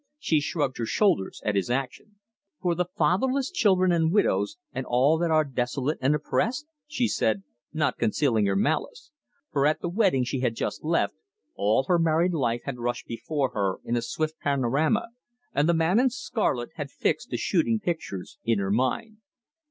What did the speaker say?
She shrugged her shoulders at his action. "For 'the fatherless children and widows, and all that are desolate and oppressed?'" she said, not concealing her malice, for at the wedding she had just left all her married life had rushed before her in a swift panorama, and the man in scarlet had fixed the shooting pictures in her mind.